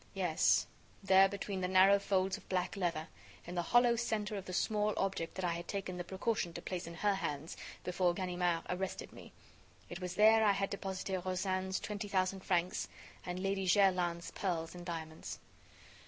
Yes, there, between the narrow folds of black leather, in the hollow centre of the small object that I had taken the precaution to place in her hands before Ganimard arrested me, it was there I had deposited Rozaine's twenty thousand francs and Lady Jerland's pearls and diamonds.